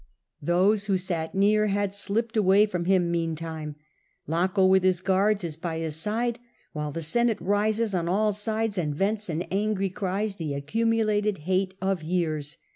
Those who sat near had slipped away from him meantime ; Laco with his guards is by his side, while the Senate rises on all sides and vents in angry cries the accumulated hate of years.